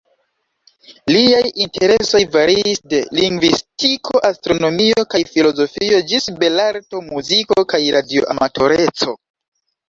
Liaj interesoj variis de lingvistiko, astronomio kaj filozofio ĝis belarto, muziko kaj radio-amatoreco.